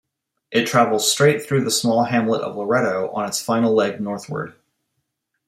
It travels straight through the small hamlet of Loretto on its final leg northward.